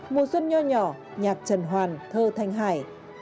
mùa xuân nho nhỏ nhỏ nhạc trần hoàn thơ thanh hải